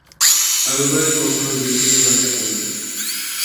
Albert কখনোই ব্রিটেনের রাজা হননি।